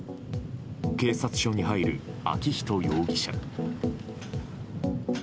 警察署に入る昭仁容疑者。